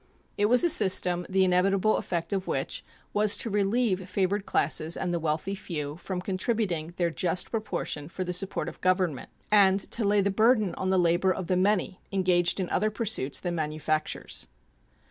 It was a system the inevitable effect of which was to relieve favored classes and the wealthy few from contributing their just proportion for the support of Government, and to lay the burden on the labor of the many engaged in other pursuits than manufactures.